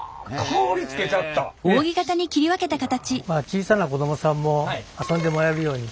小さな子どもさんも遊んでもらえるように。